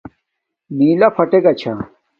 نݵلݳ فَٹݵگݳ چھݳ.